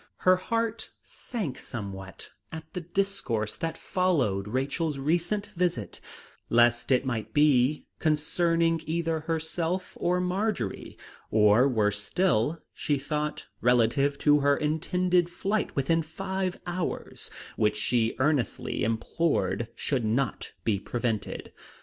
Her heart sank somewhat at the discourse that followed Rachel's recent visit, lest it might be concerning either herself or Marjory; or, worse still, she thought, relative to her intended flight within five hours, which she earnestly implored should not be prevented.